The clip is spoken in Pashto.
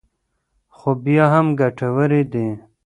خو بیا هم ګټورې دي.